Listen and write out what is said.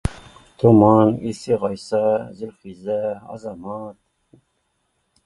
Томан, Илсе Ғайса, Зөлхизә, Азамат